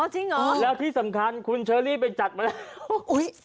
จริงเหรอแล้วที่สำคัญคุณเชอรี่ไปจัดมาแล้ว